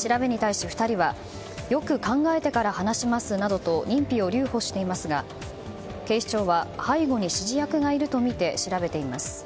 調べに対し２人はよく考えてから話しますなどと認否を留保していますが警視庁は背後に指示役がいるとみて調べています。